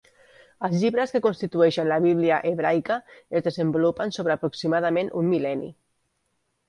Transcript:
Els llibres que constitueixen la Bíblia hebraica es desenvolupaven sobre aproximadament un mil·lenni.